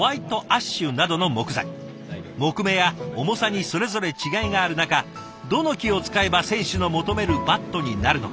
木目や重さにそれぞれ違いがある中どの木を使えば選手の求めるバットになるのか。